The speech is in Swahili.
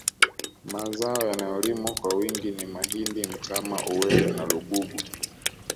Mazao yanayolimwa kwa wingi ni mahindi mtama uwele na lugugu